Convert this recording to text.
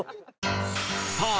さあ